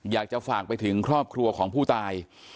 อยากจะฝากไปถึงครอบครัวของผู้ตาย